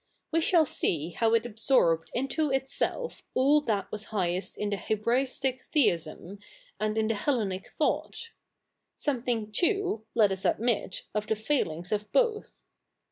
We shall see how it absorbed into itself all that was highest in Hebraistic Theism and in Hellenic thought — somethi?ig too, let us admit, of the failings of both.